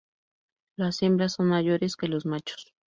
Las hembras son mayores que los machos.